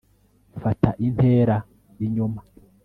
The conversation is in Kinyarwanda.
fata intera inyuma